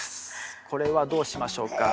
これはどうしましょうか。